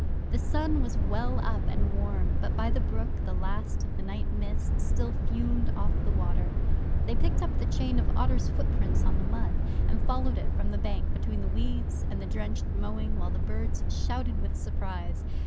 The sun was well up and warm, but by the brook the last of the night mist still fumed off the water. They picked up the chain of otter's footprints on the mud, and followed it from the bank, between the weeds and the drenched mowing, while the birds shouted with surprise.